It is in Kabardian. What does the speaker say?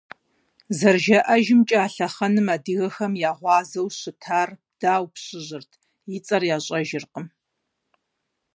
Зэрыжаӏэжымкӏэ, а лъэхъэнэм адыгэхэм я гъуазэу щытар Дау пщыжьырт, и цӏэр ящӏэжыркъым.